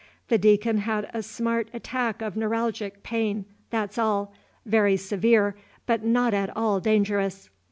"The Deacon had a smart attack of neuralgic pain. That 's all. Very severe, but not at all dangerous."